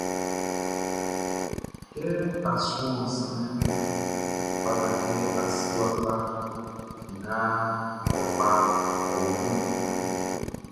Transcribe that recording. Kɛ á súan sranʼn, ɔ fata kɛ a si wafa nga á fá ɔ wun mánʼn.